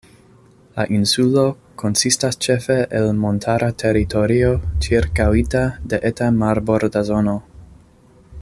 La insulo konsistas ĉefe el montara teritorio ĉirkaŭita de eta marborda zono.